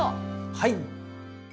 はい！